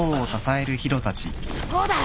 そうだ！